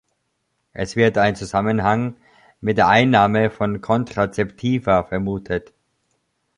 Es wird ein Zusammenhang mit der Einnahme von Kontrazeptiva vermutet.